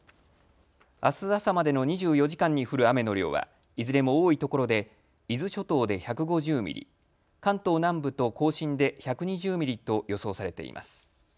あす朝までの２４時間に降る雨の量はいずれも多いところで伊豆諸島で１５０ミリ、関東南部と甲信で１２０ミリと予想されています。